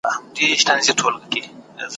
تا هم کړي دي د اور څنګ ته خوبونه؟ `